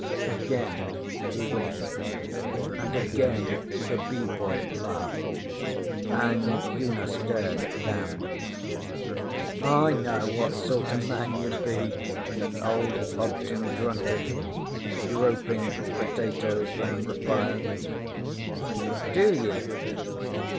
Again he winked, and again the Bee Boy laughed and Una stared at Dan. 'I know what sort o' man you be,' old Hobden grunted, groping for the potatoes round the fire. 'Do ye?'